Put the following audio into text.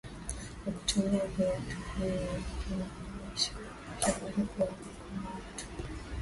Kwa kutumia viatu hivi amewaaminisha wachunguzi kuwa kulikuwa na watu wawili